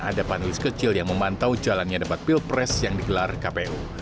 ada panelis kecil yang memantau jalannya debat pilpres yang digelar kpu